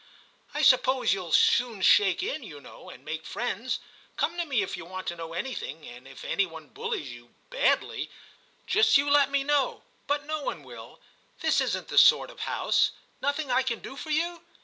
* I suppose you*ll soon shake in, you know, and make friends. Come to me if you want to know anything, and if any one bullies you — badly — just you let me know ; but no one will : this isn't the sort of house. Nothing I can do for you?'